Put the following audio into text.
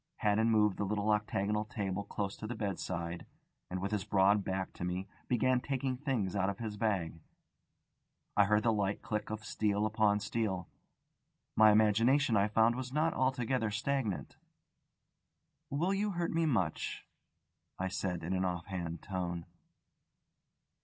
Haddon moved the little octagonal table close to the bedside, and, with his broad back to me, began taking things out of his bag. I heard the light click of steel upon steel. My imagination, I found, was not altogether stagnant. "Will you hurt me much?" I said in an off hand tone.